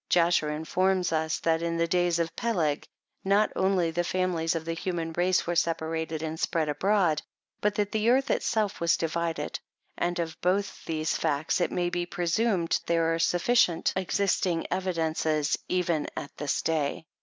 Xn TRANSLATOR'S PREFACE. Jasher informs us, that in the days of Peleg, not only the famih'es of the human race were separated and spread abroad, but that the earth itself was divided ; and of both these facts, it may be presumed, there are suffi cient existing evidences, even at this day.